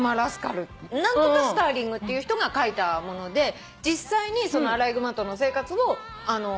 何とかスターリングっていう人が書いた物で実際にアライグマとの生活を本にしてたらしくて。